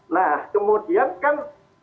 nah kemudian kan